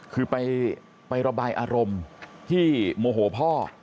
คือไประบายอารมณ์ที่โมโหพ่อ